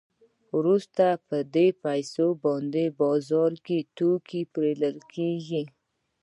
وروسته په دې پیسو باندې بازار کې توکي پېرل کېږي